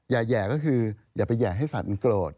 แห่ก็คืออย่าไปแห่ให้สัตว์มันโกรธ